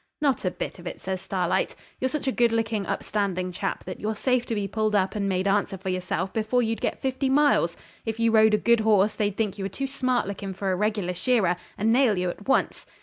'Not a bit of it,' says Starlight. 'You're such a good looking, upstanding chap that you're safe to be pulled up and made answer for yourself before you'd get fifty miles. If you rode a good horse they'd think you were too smart looking for a regular shearer, and nail you at once.'